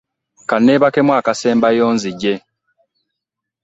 Ka nneebakemu akasembayo nzije.